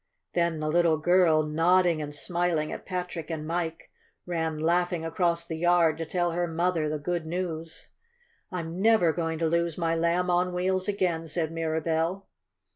Then, the little girl, nodding and smiling at Patrick and Mike, ran laughing across the yard to tell her mother the good news. "I'm never going to lose my Lamb on Wheels again!" said Mirabell.